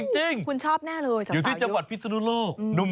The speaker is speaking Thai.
จริงอยู่ที่จังหวัดพิษนุนลูกคุณชอบหน้าเลยสาวเยอะ